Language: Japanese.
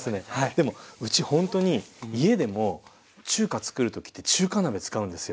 でもうちほんとに家でも中華つくる時って中華鍋使うんですよ。